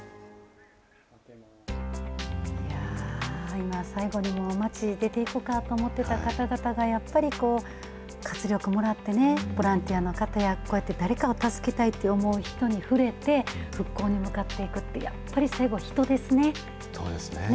今、最後に、町出ていこうかと思ってた方たちがやっぱり活力もらってね、ボランティアの方や、こうやって誰かを助けたいと思う人に触れて、復興に向かっていくって、やっぱり最後、人ですね。